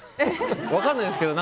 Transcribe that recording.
分かんないんですけど。